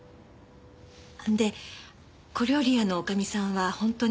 で小料理屋の女将さんは本当に美人だった？